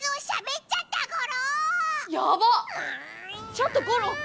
ちょっとゴロン！